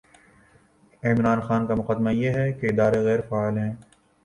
عمران خان کا مقدمہ یہ ہے کہ ادارے غیر فعال ہیں۔